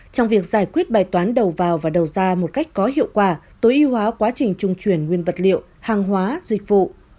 trong việc giải quyết bài toán đầu vào và đầu ra một cách có hiệu quả tối ưu hóa quá trình trung truyền nguyên vật liệu hàng hóa dịch vụ